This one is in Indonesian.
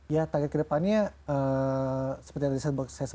ya target kedepannya seperti yang tadi saya sebutkan